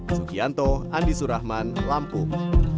sukianto andi surahman lampung